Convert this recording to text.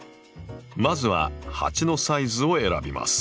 まずは鉢のサイズを選びます。